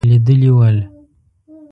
لیدلي ول.